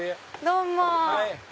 どうも。